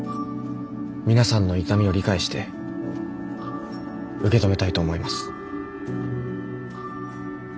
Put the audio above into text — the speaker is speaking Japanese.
皆さんの痛みを理解して受け止めたいと思います。